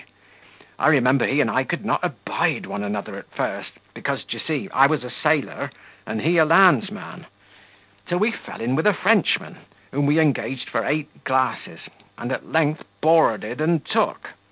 I remember he and I could not abide one another at first, because, d'ye see, I was a sailor and he a landsman; till we fell in with a Frenchman, whom we engaged for eight glasses, and at length boarded and took.